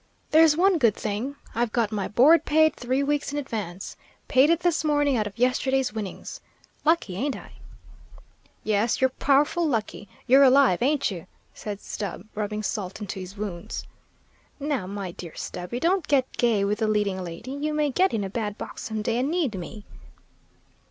There's one good thing I've got my board paid three weeks in advance; paid it this morning out of yesterday's winnings. Lucky, ain't I?" "Yes, you're powerful lucky. You're alive, ain't you?" said Stubb, rubbing salt into his wounds. "Now, my dear Stubby, don't get gay with the leading lady; you may get in a bad box some day and need me."